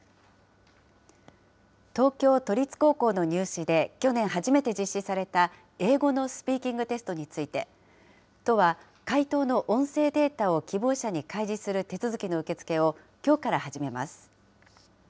東京都立高校の入試で去年初めて実施された英語のスピーキングテストについて、都は、解答の音声データを希望者に開示する手続きの受け付けをきょうから始めます。